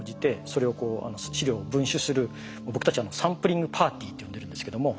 研究者の僕たち「サンプリングパーティー」って呼んでるんですけども。